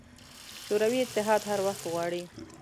شوروي اتحاد هر وخت غواړي.